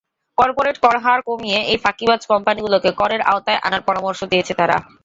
Corporate করহার কমিয়ে এই ফাঁকিবাজ কোম্পানিগুলোকে করের আওতায় আনার পরামর্শ দিয়েছে তারা।